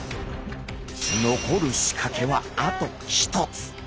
残る仕掛けはあと１つ。